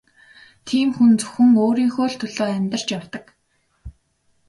Тийм хүн зөвхөн өөрийнхөө л төлөө амьдарч явдаг.